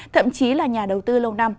thậm chí là nhà đầu tư lâu năm